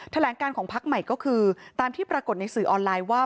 แถลงการของพักใหม่ก็คือตามที่ปรากฏในสื่อออนไลน์ว่า